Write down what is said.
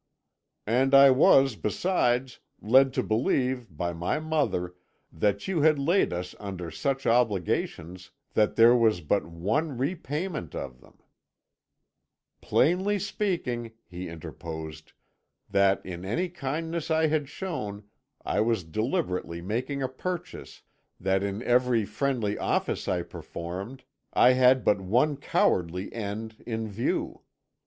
"'And I was, besides, led to believe by my mother that you had laid us under such obligations that there was but one repayment of them ' "'Plainly speaking,' he interposed, 'that, in any kindness I had shown, I was deliberately making a purchase, that in every friendly office I performed, I had but one cowardly end in view.